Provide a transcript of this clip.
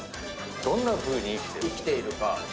どんなふうに生きてる？